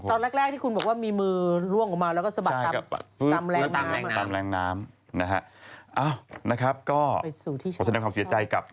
ก็ตอนแรกที่คุณบอกว่ามีมือล่วงออกมาแล้วก็สะบัดตามแรงน้ำ